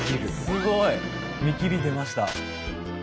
すごい「見切り」出ました。